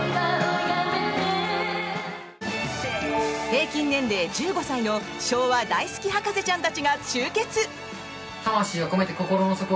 平均年齢１５歳の昭和大好き博士ちゃんたちが集結。